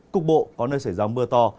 cục bộ có nơi xảy ra mưa to